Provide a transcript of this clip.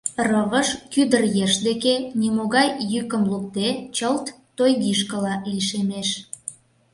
Рывыж кӱдыр еш деке, нимогай йӱкым лукде, чылт тойгишкыла лишемеш.